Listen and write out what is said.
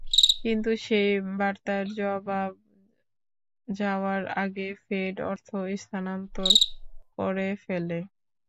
কিন্তু সেই বার্তার জবাব যাওয়ার আগে ফেড অর্থ স্থানান্তর করে ফেলে।